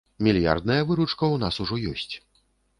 Мільярдная выручка ў нас ужо ёсць.